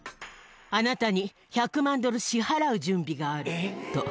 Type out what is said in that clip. あなたに１００万ドル支払う準備があると。